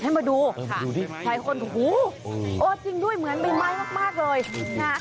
ให้มาดูค่ะดูดิหลายคนโอ้โหโอ้จริงด้วยเหมือนใบไม้มากเลยนะ